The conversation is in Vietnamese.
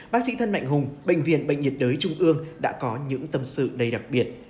bác sĩ thân mạnh hùng bệnh viện bệnh nhiệt đới trung ương đã có những tâm sự đầy đặc biệt